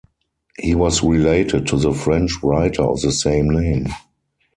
He was related to the French writer of the same name.